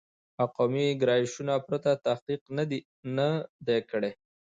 او قومي ګرایشونو پرته تحقیق نه دی کړی